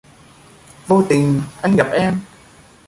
Vô tình anh gặp em